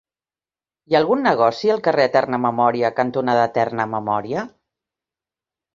Hi ha algun negoci al carrer Eterna Memòria cantonada Eterna Memòria?